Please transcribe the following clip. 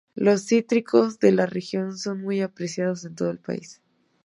Los cítricos de la región son muy apreciados en todo el país.